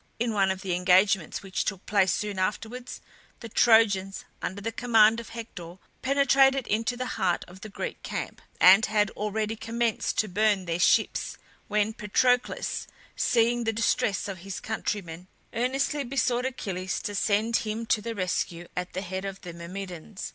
In one of the engagements which took place soon afterwards, the Trojans, under the command of Hector, penetrated into the heart of the Greek camp, and had already commenced to burn their ships, when Patroclus, seeing the distress of his countrymen, earnestly besought Achilles to send him to the rescue at the head of the Myrmidons.